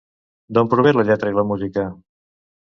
D'on prové la lletra i la música?